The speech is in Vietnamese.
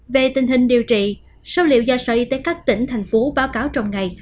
về tình hình điều trị số liệu do sở y tế các tỉnh thành phố báo cáo trong ngày